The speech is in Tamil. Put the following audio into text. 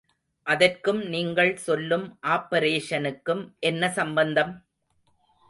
அதற்கும் நீங்கள் சொல்லும் ஆப்பரேஷனுக்கும் என்ன சம்பந்தம்?